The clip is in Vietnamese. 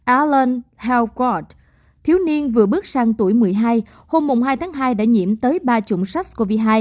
aland haworld thiếu niên vừa bước sang tuổi một mươi hai hôm hai tháng hai đã nhiễm tới ba chủng sars cov hai